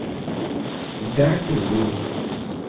Gardu lin!